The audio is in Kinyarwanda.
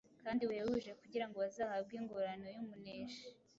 kandi buhebuje kugira ngo bazahabwe ingororano y’umuneshi.